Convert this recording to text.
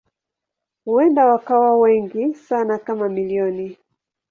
Huenda wakawa wengi sana kama milioni.